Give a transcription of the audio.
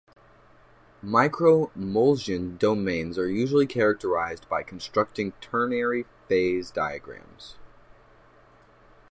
Microemulsion domains are usually characterized by constructing ternary-phase diagrams.